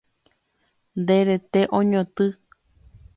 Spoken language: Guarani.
Nde rete oñotỹ